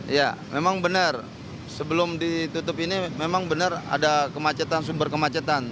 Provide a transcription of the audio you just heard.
ya memang benar sebelum ditutup ini memang benar ada kemacetan sumber kemacetan